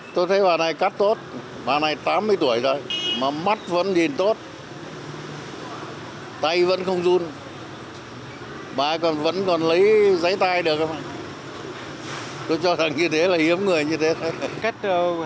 tôi cho rằng như thế là hiếm người như thế thôi